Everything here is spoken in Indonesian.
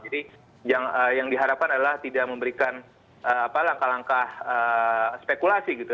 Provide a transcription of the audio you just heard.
jadi yang diharapkan adalah tidak memberikan langkah langkah spekulasi gitu